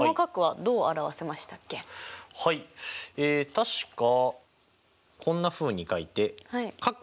確かこんなふうに書いて∠